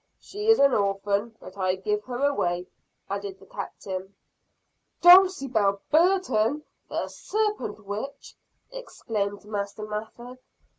"She is an orphan; but I give her away," added the Captain. "Dulcibel Burton! the serpent witch!" exclaimed Master Mather.